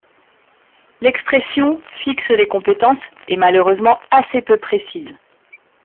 L’expression, fixent les compétences, est malheureusement assez peu précise.